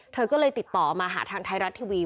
เธอก็เลยติดต่อมาหาทางไทยรัฐทีวี